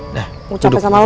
mau capek sama lo